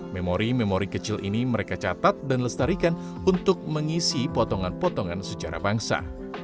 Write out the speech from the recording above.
memori memori kecil ini mereka catat dan lestarikan untuk mengisi potongan potongan sejarah bangsa